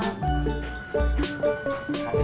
bisa aja nyakitin hati orang